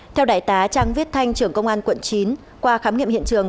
theo đại tá trang viết thanh trưởng công an quận chín qua khám nghiệm hiện trường